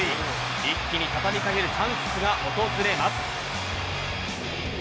一気に畳み掛けるチャンスが訪れます。